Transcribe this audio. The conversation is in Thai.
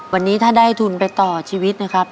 วันนี้ถ้าได้ทุนไปต่อชีวิตนะครับ